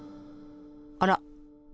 あら？